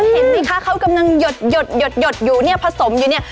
เห็นมั้ยคะเขากำลังหยดอยู่ผสมอยู่เนี่ย